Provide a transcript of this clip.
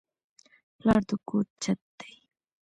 پلار د کور چت دی